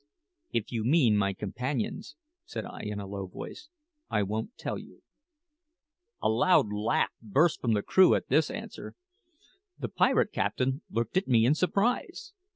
"If you mean my companions," said I in a low voice, "I won't tell you." A loud laugh burst from the crew at this answer. The pirate captain looked at me in surprise.